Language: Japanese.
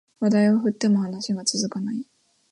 話題を振っても話が続かない